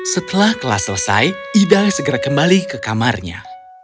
setelah kelas selesai ida segera kembali ke kamarnya